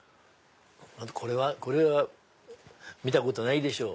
これは見たことないでしょ！